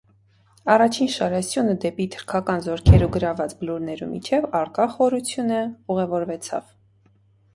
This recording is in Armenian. Առաջին շարասիւնը դէպի թրքական զօրքերու գրաւուած բլուրներու միջեւ առկայ խորութիւնը ուղեւորուեցաւ։